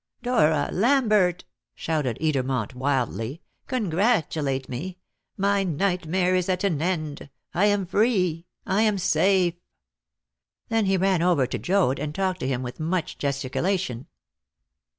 "Dora! Lambert!" shouted Edermont wildly. "Congratulate me! My nightmare is at an end! I am free! I am safe!" Then he ran over to Joad, and talked to him with much gesticulation.